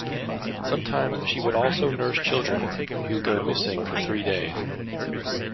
Sometimes she would also nurse children who go missing for three days.